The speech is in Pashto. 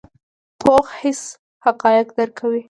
پوخ حس حقایق درک کوي